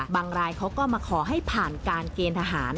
รายเขาก็มาขอให้ผ่านการเกณฑ์ทหาร